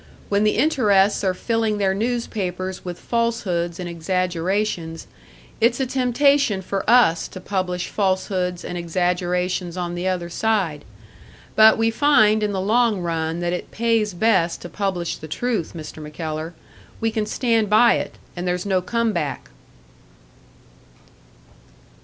When the interests are filling their newspapers with falsehoods and exaggerations, it's a temptation for us to publish falsehoods and exaggerations on the other side. But we find in the long run that it pays best to publish the truth, Mr. MacKellar we can stand by it, and there's no come back."